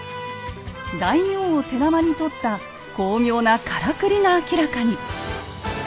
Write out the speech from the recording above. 大名を手玉に取った巧妙なからくりが明らかに！